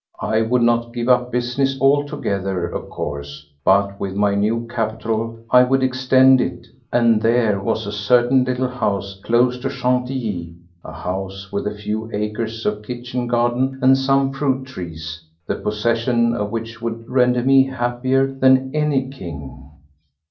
I would not give up business altogether, of course, but with my new capital I would extend it and, there was a certain little house, close to Chantilly, a house with a few acres of kitchen garden and some fruit trees, the possession of which would render me happier than any king.